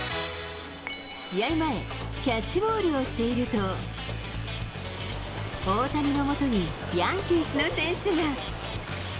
試合前、キャッチボールをしていると、大谷のもとにヤンキースの選手が。